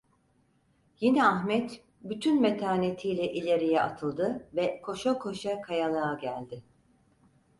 Yine Ahmet bütün metanetiyle ileriye atıldı ve koşa koşa kayalığa geldi.